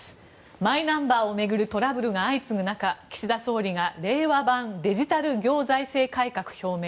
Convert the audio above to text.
マイナンバーを巡るトラブルが相次ぐ中、岸田総理が令和版デジタル行財政改革表明。